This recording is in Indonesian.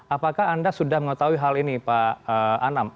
apakah anda sudah mengetahui hal ini pak anam